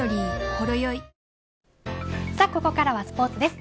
ここからスポーツです。